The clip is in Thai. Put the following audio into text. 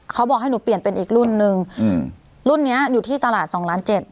เขาบอกให้หนูเปลี่ยนเป็นอีกรุ่นหนึ่งอืมรุ่นเนี้ยอยู่ที่ตลาดสองล้านเจ็ด